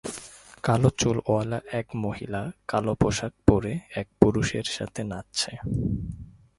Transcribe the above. কালো চুলওয়ালা এক মহিলা কালো পোশাক পরে এক পুরুষের সাথে নাচছে।